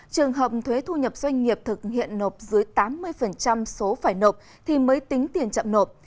trường hợp thuế thu nhập doanh nghiệp thực hiện nộp dưới tám mươi số phải nộp thì mới tính tiền chậm nộp